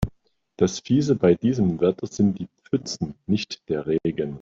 Das Fiese bei diesem Wetter sind die Pfützen, nicht der Regen.